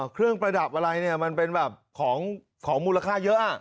เครื่องประดับอะไรเนี่ยมันเป็นแบบของมูลค่าเยอะ